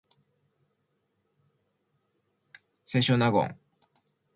清少納言